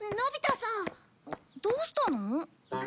どうしたの？